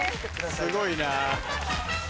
すごいな。